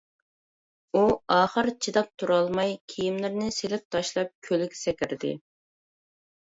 ئۇ ئاخىر چىداپ تۇرالماي كىيىملىرىنى سېلىپ تاشلاپ كۆلگە سەكرىدى.